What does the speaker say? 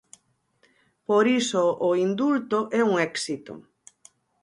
Por iso o indulto é un éxito.